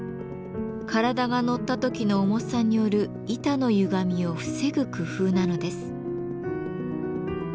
体が乗った時の重さによる板のゆがみを防ぐ工夫なのです。